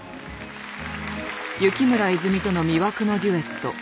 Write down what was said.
雪村いづみとの魅惑のデュエット。